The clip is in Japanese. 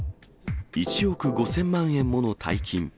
１億５０００万円もの大金。